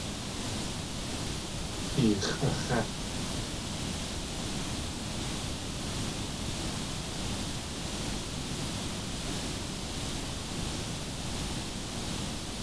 Ix̲ʼax̲é!